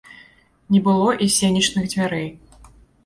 Не было і сенечных дзвярэй.